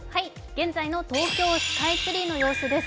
現在の東京スカイツリーの様子です。